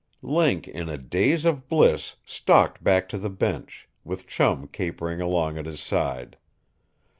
Link, in a daze of bliss, stalked back to the bench; with Chum capering along at his side.